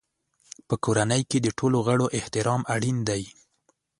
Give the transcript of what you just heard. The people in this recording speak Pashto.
په کورنۍ کې د ټولو غړو احترام اړین دی.